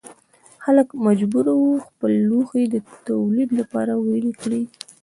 خلک مجبور وو خپل لوښي د تولید لپاره ویلې کړي.